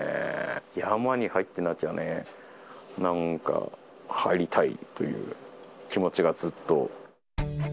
山に入ってなきゃね、なんか入りたいという気持ちがずっと。